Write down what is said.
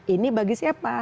ini bagi siapa